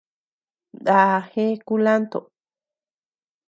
Naa jëe kulanto.